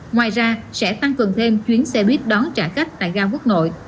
ngoài ra sẽ tăng cường thêm chuyến xe buýt đón trả khách tại ga quốc nội